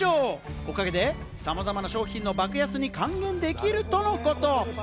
おかげでさまざまな商品の爆安に還元できるとのこと。